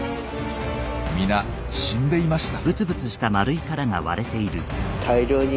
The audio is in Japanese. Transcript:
みな死んでいました。